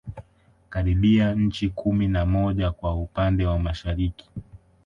Karibia nchi kumi na moja kwa upande wa Mashariki